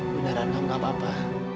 beneran enggak apa apa